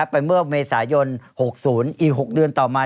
เมื่อเมษายน๖๐อีก๖เดือนต่อมา